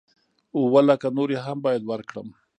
اووه لکه نورې هم بايد ورکړم.